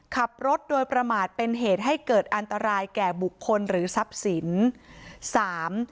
ขับรถโดยประมาทเป็นเหตุให้เกิดอันตรายแก่บุคคลหรือทรัพย์สินสาม